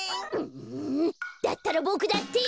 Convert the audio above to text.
うだったらボクだって！